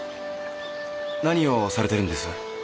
何をされてるんです？